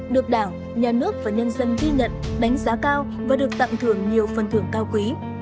được đảng nhà nước và nhân dân ghi nhận đánh giá cao và được tặng thưởng nhiều phần thưởng cao quý